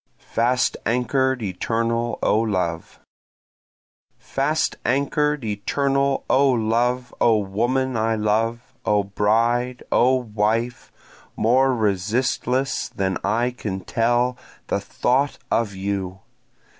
Fast Anchor'd Eternal O Love! Fast anchor'd eternal O love! O woman I love! O bride! O wife! more resistless than I can tell, the thought of you!